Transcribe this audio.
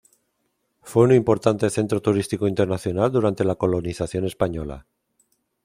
Fue un importante centro turístico internacional durante la colonización española.